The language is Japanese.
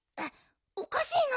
おかしいな。